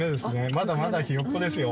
まだまだひよっこですよ。